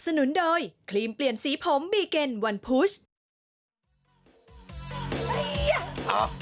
เดี๋ยวช่วงนี้ไปเบรกก่อนสักครู่เดี๋ยวกับโพสต์แตกครับ